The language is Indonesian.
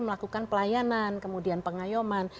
melakukan pelayanan kemudian pengayoman